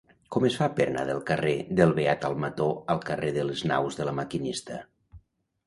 Com es fa per anar del carrer del Beat Almató al carrer de les Naus de La Maquinista?